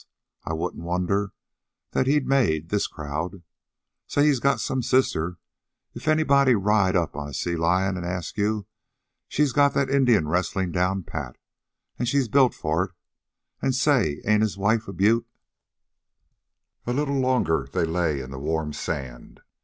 I wouldn't wonder that he'd make this crowd. Say, he's got some sister, if anybody'd ride up on a sea lion an' ask you. She's got that Indian wrestlin' down pat, an' she's built for it. An' say, ain't his wife a beaut?" A little longer they lay in the warm sand.